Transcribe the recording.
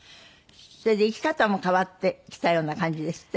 それで生き方も変わってきたような感じですって？